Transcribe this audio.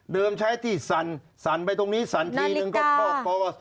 เดิมใช้ที่สั่นสั่นไปตรงนี้สั่นทีนึงนอนลิกา